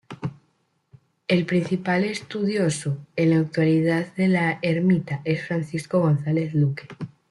El principal estudioso en la actualidad de la ermita es Francisco González Luque.